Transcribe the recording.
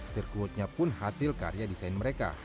sirkuitnya pun hasil karya desain mereka